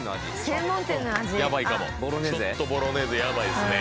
ちょっとボロネーゼヤバいっすね。